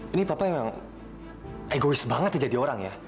ini papa emang egois banget ya jadi orang ya